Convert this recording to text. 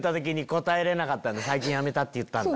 「最近やめた」って言ったんだ。